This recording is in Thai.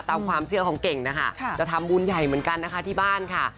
ตามความเชื่อของเก่งนะคะจะทำบุญใหญ่เหมือนกันนะคะที่บ้านค่ะ